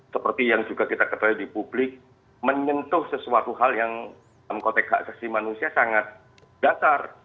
seperti yang juga kita ketahui di publik menyentuh sesuatu hal yang dalam konteks hak asasi manusia sangat dasar